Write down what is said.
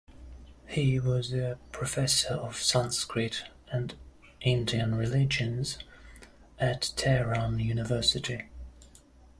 He was a Professor of Sanskrit and Indian religions at Tehran University.